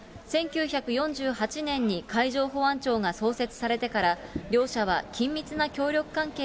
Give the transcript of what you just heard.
１９４８年に海上保安庁が創設されてから、両者は緊密な協力関係